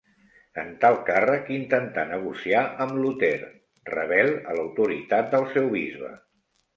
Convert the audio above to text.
En tal càrrec intentà negociar amb Luter, rebel a l'autoritat del seu bisbe.